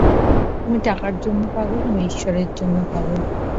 তুমি টাকার জন্য পাগল, আমি ঈশ্বরের জন্য পাগল।